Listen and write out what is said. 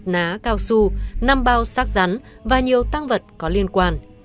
một ná cao su năm bao sát rắn và nhiều tăng vật có liên quan